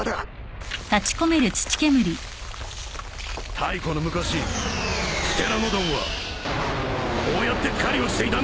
太古の昔プテラノドンはこうやって狩りをしていたんだ。